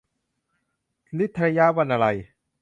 ฤทธิยะวรรณาลัย